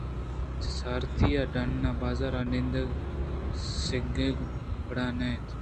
چہ سارتی ءَ ڈنّ ءِبازار ءَ نندگ ءُسگگ ءِ وڑا نہ اَت